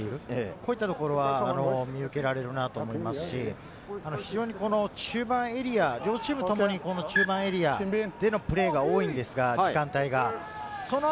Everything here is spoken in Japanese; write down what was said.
こういったところが見受けられるなと思いますし、中盤エリア、両チームともに中盤エリアでのプレーが多いんですが、時間帯が。